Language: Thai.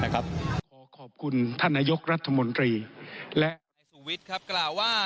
ขอขอบคุณท่านนายกรัฐมนตรีและ